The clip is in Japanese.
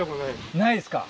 ないですか。